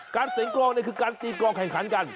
เสียงกรองเนี่ยคือการตีกรองแข่งขันกัน